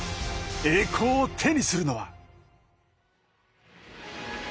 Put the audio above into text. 栄光を手にするのは。